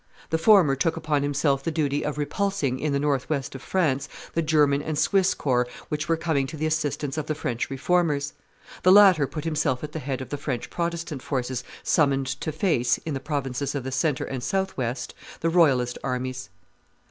The former took upon himself the duty of repulsing, in the north west of France, the German and Swiss corps which were coming to the assistance of the French Reformers; the latter put himself at the head of the French Protestant forces summoned to face, in the provinces of the centre and south west, the royalist armies.